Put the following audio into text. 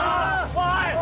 おい！